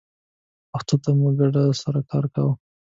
پښتو ته په ګډه سره کار کوو